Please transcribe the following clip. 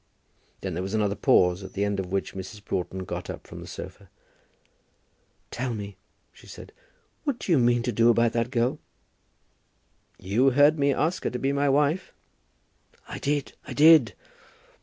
Then there was another pause, at the end of which Mrs. Broughton got up from the sofa. "Tell me," said she; "what do you mean to do about that girl?" "You heard me ask her to be my wife?" "I did. I did!"